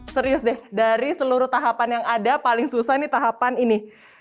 serius deh dari seluruh tahapan yang ada paling susah nih tahapan ini